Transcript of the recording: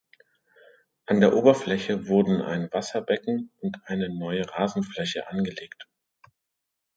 An der Oberfläche wurden ein Wasserbecken und eine neue Rasenfläche angelegt.